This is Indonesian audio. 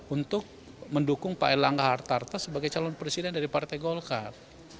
untuk mendukung pak erlangga hartarto sebagai calon presiden dari partai golkar